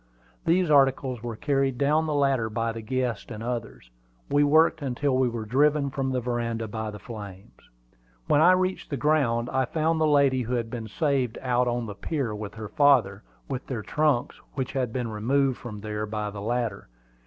These articles were carried down the ladder by the guests and others. We worked until we were driven from the veranda by the flames. When I reached the ground, I found the lady who had been saved out on the pier with her father, with their trunks which had been removed there by the latter.